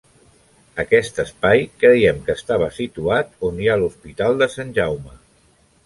Aquest espai, creiem que estava situat on hi ha l'Hospital de Sant Jaume.